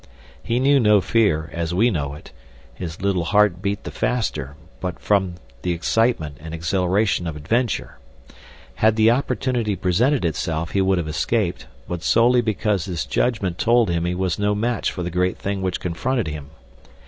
He knew no fear, as we know it; his little heart beat the faster but from the excitement and exhilaration of adventure. Had the opportunity presented itself he would have escaped, but solely because his judgment told him he was no match for the great thing which confronted him.